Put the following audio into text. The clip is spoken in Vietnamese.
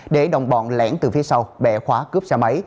để đồng bọn lẻn từ phía sau bẻ khóa cướp xe máy